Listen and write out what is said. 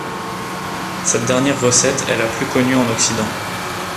Cette dernière recette est la plus connue en Occident.